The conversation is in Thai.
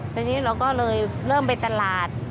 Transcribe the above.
ทีนี้เราก็เลยเริ่มไปตลาด